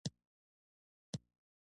عقلانیت له غیرعقلاني کړنو سره مقابله کوي